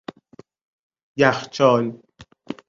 یخچال